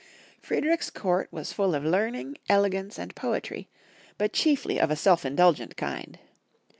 Friedrich's court was full of learning, ele gance, and poetry, but chiefly of a self indulgent kind.